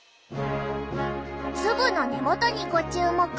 粒の根元にご注目。